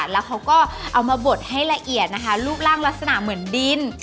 แล้วเขาก็เอามาบดให้ละเอียดนะคะรูปร่างลักษณะเหมือนดิน